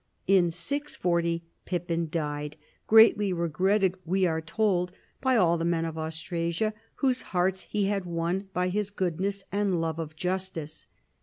In G40 Pippin died, greatly regretted, we are told, by all the men of Austrasia, whose hearts he had won by his goodness and love of justice.